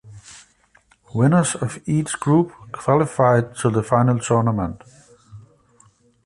Winners of each group qualified to the final tournament.